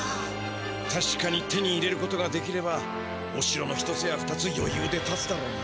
たしかに手に入れることができればおしろの一つや二つよゆうでたつだろうな。